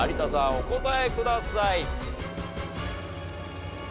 お答えください。